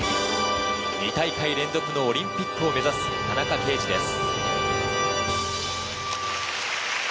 ２大会連続のオリンピックを目指す田中刑事です。